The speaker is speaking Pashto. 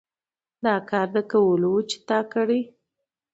دا کار د کړلو وو چې تا کړى.